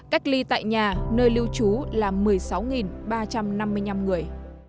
cách ly tại nhà nơi lưu trú là một mươi sáu ba trăm năm mươi năm người